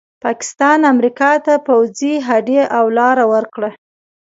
پاکستان امریکا ته پوځي هډې او لاره ورکړه.